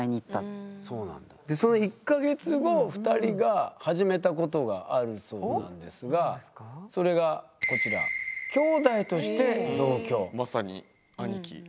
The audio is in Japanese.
その１か月後２人が始めたことがあるそうなんですがそれがこちらまさに兄貴。